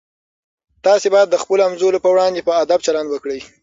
تاسي باید د خپلو همزولو په وړاندې په ادب چلند وکړئ.